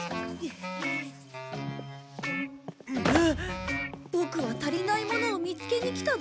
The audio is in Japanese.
ボクは足りないものを見つけに来ただけなのに。